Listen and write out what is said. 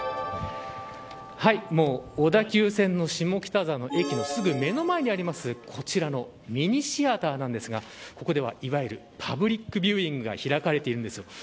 小田急線の下北沢の駅のすぐ目の前にあるこちらのミニシアターなんですがここでは、いわゆるパブリックビューイングが開かれているんです。